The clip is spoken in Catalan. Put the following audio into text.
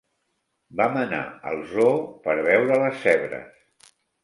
Vam anar al zoo per veure les zebres.